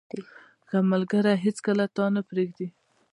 • ښه ملګری هیڅکله تا نه پرېږدي.